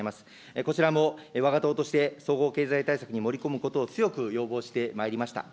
こちらもわが党として総合経済対策に盛り込むことを強く要望してまいりました。